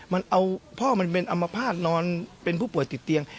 มันเอาพ่อมันเป็นอัมพาตนอนเป็นผู้ป่วยติดเตียง